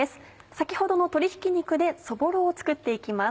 先ほどの鶏ひき肉でそぼろを作って行きます。